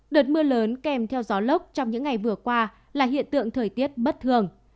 đợt mưa lớn kèm theo gió lốc trong những ngày vừa qua là hiện tượng thời tiết bất thường